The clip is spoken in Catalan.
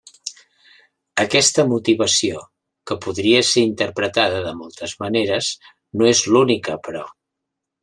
Aquesta motivació, que podria ser interpretada de moltes maneres, no és l'única, però.